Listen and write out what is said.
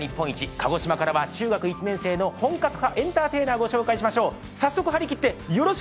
鹿児島からは中学１年生の本格派エンターテイナーご紹介しましょう。